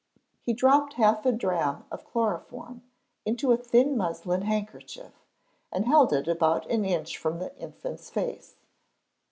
He dropped half a drachm of chloroform into a thin muslin handkerchief, and held it about an inch from the infant's face.